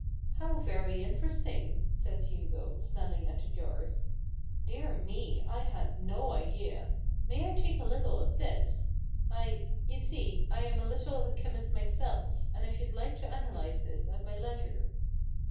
" How very interesting !" says Hugo, smelling at the jars. " Dear me ! I had no idea. May I take a little of this ? I — you see, I am a little of a chymist myself, and I should like to analyze this at my leisure."